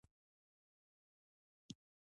د افغانستان طبیعت له انار څخه جوړ شوی دی.